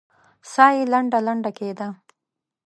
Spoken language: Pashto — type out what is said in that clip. ساه يې لنډه لنډه کېده.